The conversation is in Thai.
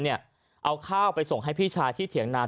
เอาข้าวไปส่งให้พี่ชายที่เถียงนา